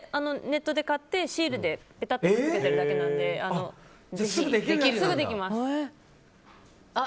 ネットで買ってシールでペタッとくっつけてるだけなのですぐできます。